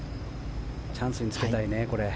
チャンスにつけたいね、これ。